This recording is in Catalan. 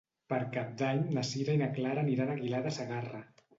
Per Cap d'Any na Sira i na Clara aniran a Aguilar de Segarra.